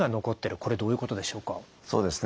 これどういうことでしょうか？